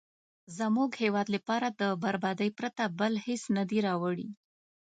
زموږ هیواد لپاره له بربادۍ پرته بل هېڅ نه دي راوړي.